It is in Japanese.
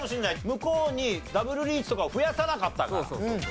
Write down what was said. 向こうにダブルリーチとかを増やさなかったから。